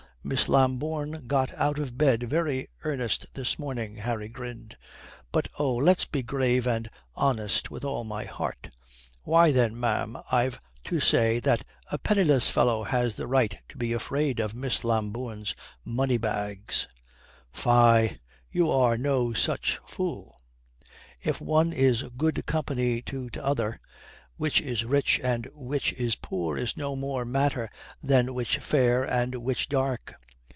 "Miss Lambourne got out of bed very earnest this morning," Harry grinned. "But oh, let's be grave and honest with all my heart. Why, then, ma'am, I've to say that a penniless fellow has the right to be afraid of Miss Lambourne's money bags." "Fie, you are no such fool. If one is good company to t'other, which is rich and which is poor is no more matter than which fair and which dark."